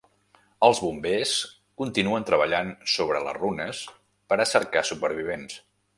Els bombers continuen treballant sobre les runes per a cercar supervivents.